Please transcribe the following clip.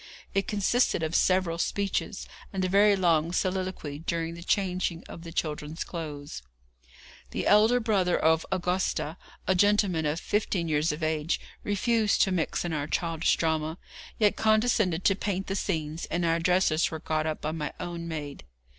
It consisted of several speeches, and a very long soliloquy during the changing of the children's clothes. The elder brother of Augustus, a gentleman of fifteen years of age, refused to mix in our childish drama, yet condescended to paint the scenes, and our dresses were got up by my own maid.